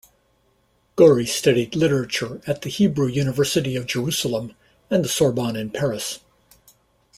Gouri studied literature at the Hebrew University of Jerusalem and the Sorbonne in Paris.